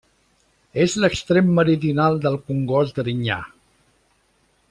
És l'extrem meridional del Congost d'Erinyà.